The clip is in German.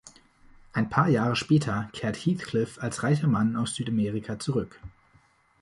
Ein paar Jahre später kehrt Heathcliff als reicher Mann aus Südamerika zurück.